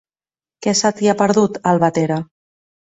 Què se t'hi ha perdut, a Albatera?